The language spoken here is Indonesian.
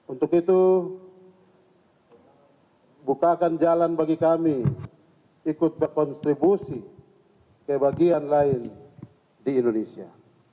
untuk itu bukakan jalan bagi kami ikut berkontribusi ke bagian lain di indonesia